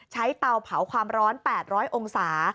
เตาเผาความร้อน๘๐๐องศา